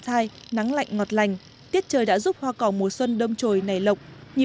đà lạt mùa valentine nắng lạnh ngọt lành tiết trời đã giúp hoa cò mùa xuân đông trồi nảy lộng